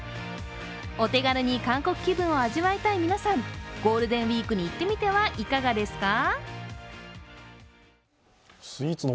お手軽に韓国気分を味わいたい皆さん、ゴールデンウイークに行ってみてはいかがですか？